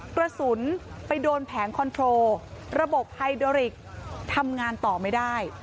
กระสุนไปโดนแผงคอนโทรระบบไฮโดริกทำงานต่อไม่ได้